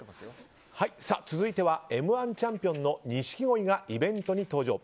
続いては「Ｍ‐１」チャンピオンの錦鯉がイベントに登場。